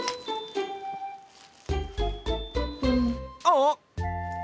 あっ！